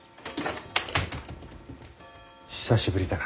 久しぶりだな。